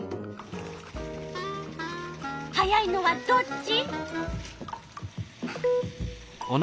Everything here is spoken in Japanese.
速いのはどっち？